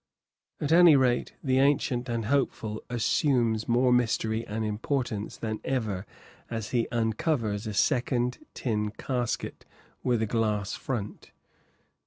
At any rate, the Ancient and Hopeful assumes more mystery and importance than ever as he uncovers a second tin casket with a glass front.